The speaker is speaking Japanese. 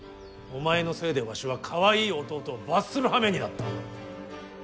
お前のせいでわしはかわいい弟を罰するはめになった。